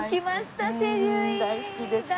大好きです。